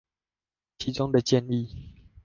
其中的建議